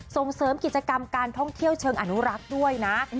ส่งเสริมกิจกรรมการท่องเที่ยวเชิงอนุรักษ์ด้วยนะ